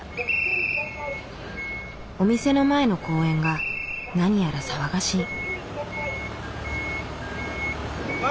お店の前の公園が何やら騒がしい。